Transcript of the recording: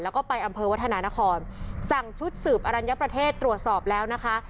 แล้วก็ไปอำเภอวัฒนานครสั่งชุดสืบอรัญญประเทศตรวจสอบแล้วนะคะ